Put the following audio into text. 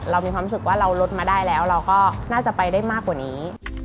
เรามีความรู้สึกว่าเราลดมาได้แล้วเราก็น่าจะไปได้มากกว่านี้